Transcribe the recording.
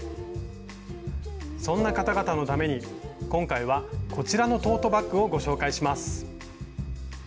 そんな方々のために今回はこちらのトートバッグをご紹介します。